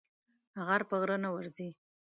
غر په غره نه ورځي.